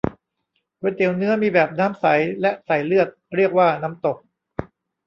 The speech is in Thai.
ก๋วยเตี๋ยวเนื้อ มีแบบน้ำใส และใส่เลือด เรียกว่าน้ำตก